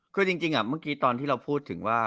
คือจริงเมื่อกี้ตอนที่เราพูดถึงว่า